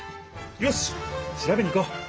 よしっしらべに行こう。